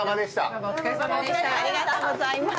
ありがとうございます。